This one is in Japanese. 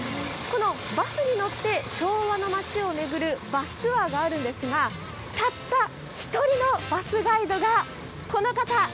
このバスに乗って昭和の町を巡るバスツアーがあるんですがたった１人のバスガイドがこの方！